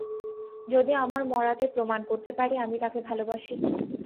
যদি আমার মরাতে প্রমাণ করতে পারি আমি তাকে ভালবাসি।